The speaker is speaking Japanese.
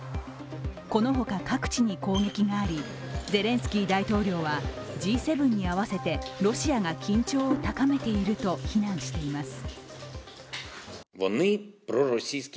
この他、各地の攻撃がありゼレンスキー大統領はＧ７に合わせて、ロシアが緊張を高めていると非難しています。